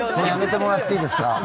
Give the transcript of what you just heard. やめてもらってもいいですか。